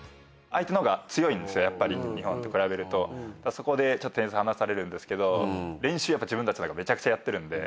そこで点数離されるんですけど練習自分たちの方がめちゃくちゃやってるんで。